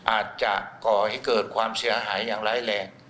ก่อให้เกิดความเสียหายอย่างร้ายแรง